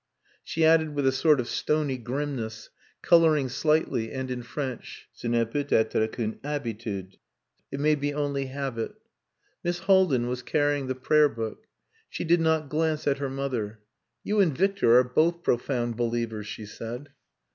She added with a sort of stony grimness, colouring slightly, and in French, "Ce n'est peut etre qu'une habitude." ("It may be only habit.") Miss Haldin was carrying the prayer book. She did not glance at her mother. "You and Victor are both profound believers," she said.